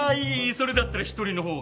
それだったら１人の方が。